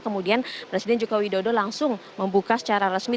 kemudian presiden joko widodo langsung membuka secara resmi